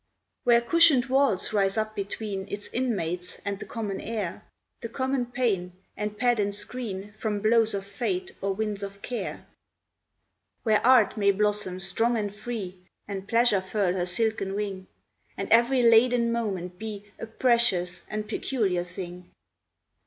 Where cushioned walls rise up between Its inmates and the common air, The common pain, and pad and screen From blows of fate or winds of care? Where Art may blossom strong and free, And Pleasure furl her silken wing, And every laden moment be A precious and peculiar thing?